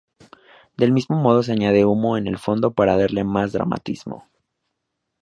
Del mismo modo se añade humo en el fondo para darle más dramatismo.